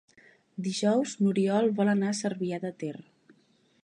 Dijous n'Oriol vol anar a Cervià de Ter.